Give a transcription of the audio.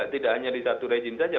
tidak hanya di satu rejim saja